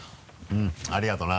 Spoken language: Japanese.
うんありがとな。